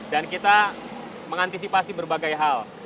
dan kita mengantisipasi berbagai hal